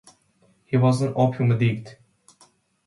He was an opium addict.